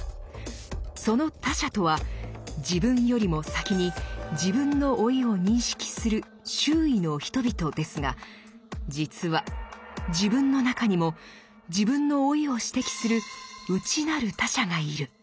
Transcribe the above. その他者とは自分よりも先に自分の老いを認識する「周囲の人々」ですが実は自分の中にも自分の老いを指摘する「内なる他者」がいる。